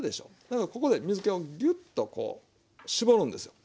だからここで水けをギュッとこう絞るんですよ。